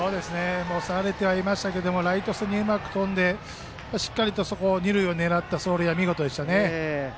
押されていましたがライト線にうまく飛んでしっかりと、二塁を狙った走塁は見事でしたね。